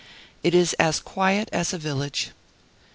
It is as quiet as a village.